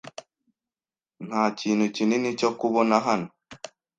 Nta kintu kinini cyo kubona hano.